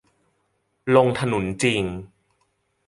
ลงถนนจริง